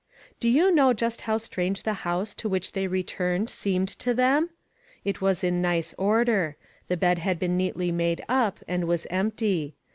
Do you know just how strange the house to which they returned seemed to them ? It was in nice order. The bed had been neatly made up, and was empty.